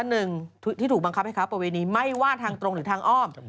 หนึ่งที่ถูกบังคับให้ค้าประเวณีไม่ว่าทางตรงหรือทางอ้อม